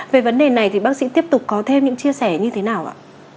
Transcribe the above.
về vấn đề này thì bác sĩ tiếp tục có thêm những chia sẻ như thế nào ạ